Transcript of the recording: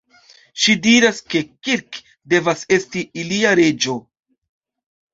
Ŝi diras, ke Kirk devas esti ilia "reĝo".